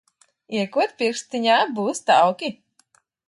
Iekod pirkstiņā, būs tauki.